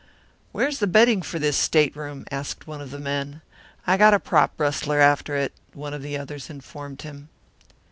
"Where's the bedding for this stateroom?" asked one of the men. "I got a prop rustler after it," one of the others informed him.